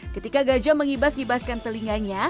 ketika gajah menghibaskan telinganya